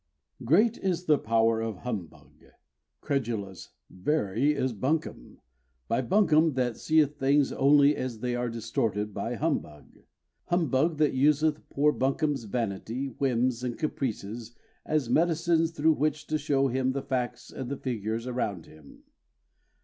_ Great is the power of Humbug. Credulous, very, is Bunkum, Bunkum that seeth things only as they are distorted by Humbug, Humbug that useth poor Bunkum's vanity, whims, and caprices As medicines through which to show him the facts and the figures around him.